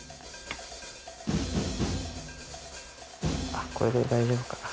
あっこれで大丈夫かな？